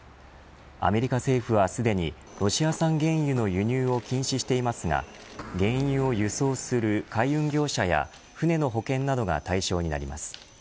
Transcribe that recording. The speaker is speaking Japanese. アメリカ政府はすでにロシア産原油の輸入を禁止していますが原油を輸送する海運業者や船の保険などが対象になります。